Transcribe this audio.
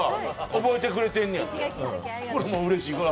覚えてくれてんや。